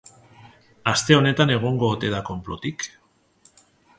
Aste honetan, egongo ote da konplotik?